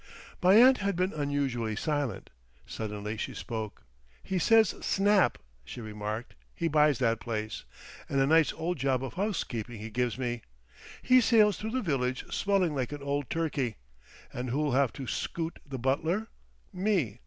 My aunt had been unusually silent. Suddenly she spoke. "He says Snap," she remarked; "he buys that place. And a nice old job of Housekeeping he gives me! He sails through the village swelling like an old turkey. And who'll have to scoot the butler? Me!